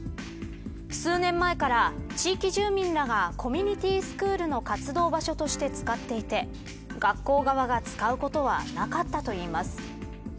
数年前から、地域住民らがコミュニティスクールの活動場所として使っていて学校側が使うことはなかったといいます。